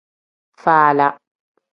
Faala.